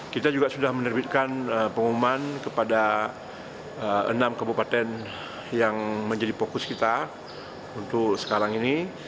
kita juga sudah menerbitkan pengumuman kepada enam kabupaten yang menjadi fokus kita untuk sekarang ini